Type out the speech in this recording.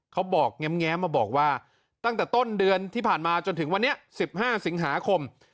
แง้มมาบอกว่าตั้งแต่ต้นเดือนที่ผ่านมาจนถึงวันนี้๑๕สิงหาคม